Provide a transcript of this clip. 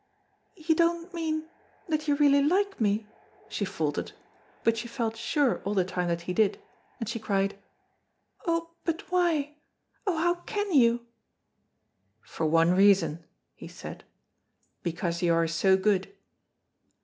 "You don't mean that you really like me?" she faltered, but she felt sure all the time that he did, and she cried, "Oh, but why, oh, how can you!" "For one reason," he said, "because you are so good."